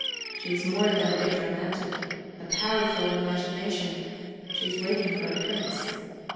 She is more than a bit romantic; a powerful imagination; she is waiting for a prince.